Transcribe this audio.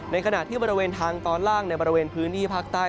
ขณะที่บริเวณทางตอนล่างในบริเวณพื้นที่ภาคใต้